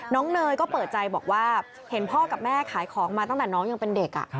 เนยก็เปิดใจบอกว่าเห็นพ่อกับแม่ขายของมาตั้งแต่น้องยังเป็นเด็ก